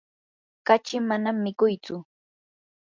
kachi manam mikuytsu.